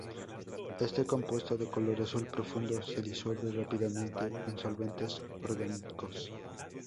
Este compuesto de color azul profundo se disuelve rápidamente en solventes orgánicos.